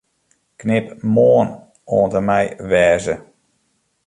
Knip 'Moarn' oant en mei 'wêze'.